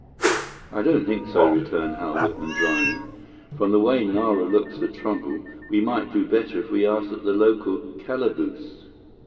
"I don't think so," returned Hal Whitman dryly. "From the way Nara looks for trouble, we might do better if we asked at the local calaboose."